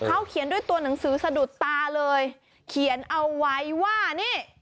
เขาเขียนด้วยตัวหนังสือสะดุดตาเลยเขียนเอาไว้ว่านี่